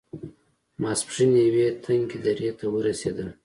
ماسپښين يوې تنګې درې ته ورسېدل.